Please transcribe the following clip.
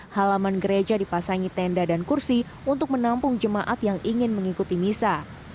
halaman gereja dipasangi tenda dan kursi untuk menampung jemaat yang ingin mengikuti misa